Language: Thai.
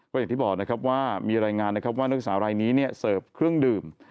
ก็อย่างที่บอกนะครับว่ามีรายงานนะครับว่านักศึกษารายนี้เสิร์ฟเครื่องดื่ม